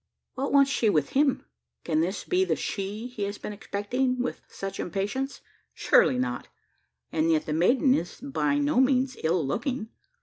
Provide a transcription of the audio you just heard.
What wants she with him? Can this be the she he has been expecting with such impatience? Surely not! And yet the maiden is by no means ill looking.